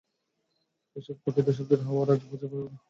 এসব পাখি দেশান্তরি হওয়ার আগে প্রচুর পরিমাণে আহার করে শরীরে চর্বি জমায়।